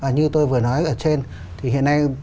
như tôi vừa nói ở trên thì hiện nay